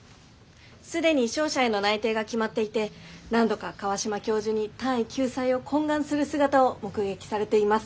既に商社への内定が決まっていて何度か川島教授に単位救済を懇願する姿を目撃されています。